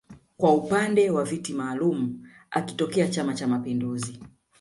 kwa upande wa viti maalum akitokea chama cha mapinduzi